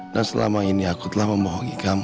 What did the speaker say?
dan selama ini aku telah memohongi kamu